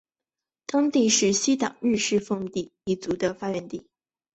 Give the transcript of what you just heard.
当地是西党日奉氏一族平山氏的发源地。